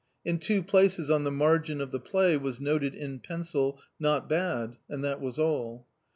In two places on the margin of the play was noted in pencil " not bad," and that was all.